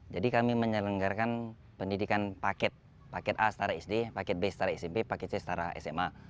jadi kami menyelenggarakan pendidikan paket paket a setara sd paket b setara smp paket c setara sma